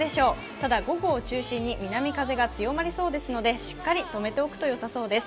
ただ午後を中心に南風が強まりそうですので、しっかりとめておくとよさそうです。